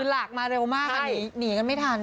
หลากมาเร็วมากค่ะหนีกันไม่ทัน